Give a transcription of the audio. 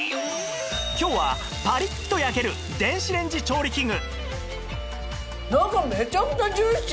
今日はパリッと焼ける電子レンジ調理器具